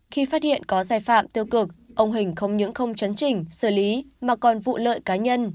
khi phát hiện có xây phạm tư cực ông hình không những không chấn trình xử lý mà còn vụ lợi cá nhân